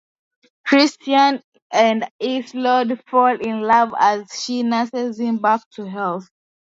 Tristan and Isolde fall in love as she nurses him back to health.